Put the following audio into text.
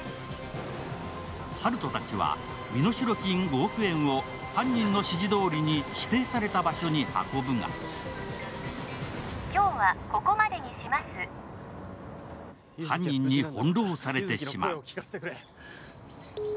温人たちは身代金５億円を犯人の指示どおりに指定された場所に運ぶが犯人に翻弄されてしまう。